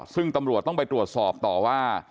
ซึ่งตำรวจต้องไปตรวจสอบต่อว่า